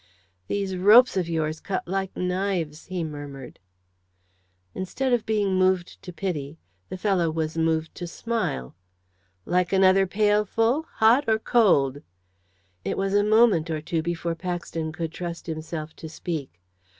"These ropes of yours cut like knives," he murmured. Instead of being moved to pity, the fellow was moved to smile. "Like another pailful hot or cold?" It was a moment or two before Paxton could trust himself to speak.